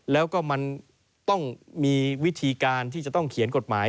แล้วก็มันต้องมีวิธีการที่จะต้องเขียนกฎหมาย